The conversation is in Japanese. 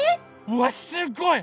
うわすごい！